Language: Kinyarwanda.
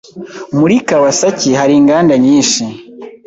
Muri Kawasaki hari inganda nyinshi.